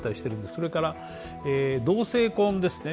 それから同性婚ですね